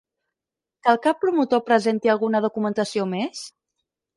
Cal que el promotor presenti alguna documentació més?